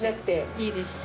いいですし。